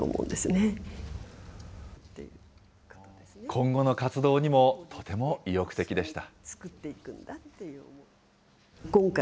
今後の活動にも、とても意欲的でした。